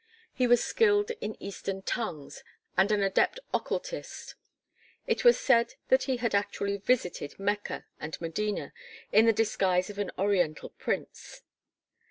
He was skilled in Eastern tongues and an adept occultist. It was said that he had actually visited Mecca and Medina in the disguise of an Oriental prince.